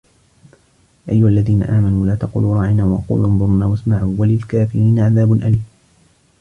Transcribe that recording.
يَا أَيُّهَا الَّذِينَ آمَنُوا لَا تَقُولُوا رَاعِنَا وَقُولُوا انْظُرْنَا وَاسْمَعُوا ۗ وَلِلْكَافِرِينَ عَذَابٌ أَلِيمٌ